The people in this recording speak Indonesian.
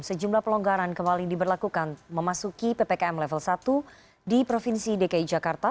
sejumlah pelonggaran kembali diberlakukan memasuki ppkm level satu di provinsi dki jakarta